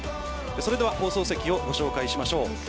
それでは放送席をご紹介しましょう。